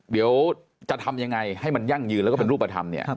เดี๋ยวจะทำอย่างไรให้มันยั่งยืนแล้วก็เป็นรูปประทำ